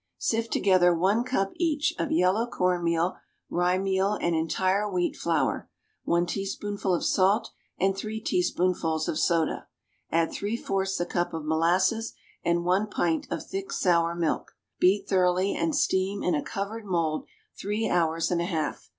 = Sift together one cup, each, of yellow corn meal, rye meal and entire wheat flour, one teaspoonful of salt and three teaspoonfuls of soda. Add three fourths a cup of molasses and one pint of thick, sour milk. Beat thoroughly, and steam in a covered mould three hours and a half.